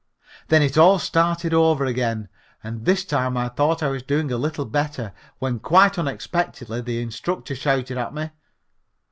Then it all started over again and this time I thought I was doing a little better, when quite unexpectedly the instructor shouted at me.